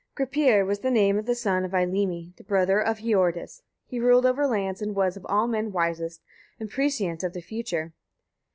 Gripir was the name of the son of Eylimi, the brother of Hiordis. He ruled over lands, and was of all men wisest and prescient of the future.